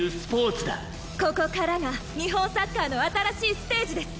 ここからが日本サッカーの新しいステージです！